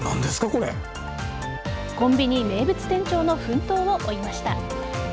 コンビニ名物店長の奮闘を追いました。